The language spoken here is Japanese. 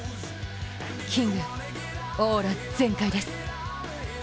キングオーラ全開です。